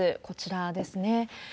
こちらですね。